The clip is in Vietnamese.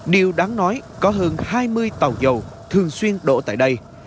điều đáng nói có hơn hai mươi tàu dầu thường xuyên đổ tại đây